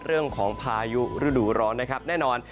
เรื่องของพายุฤดูร้อนนะครับแน่นอน